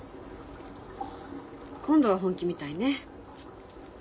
今度は本気みたいね。